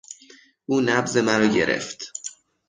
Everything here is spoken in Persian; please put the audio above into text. او نبض مرا گرفت.